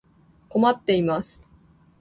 困っています。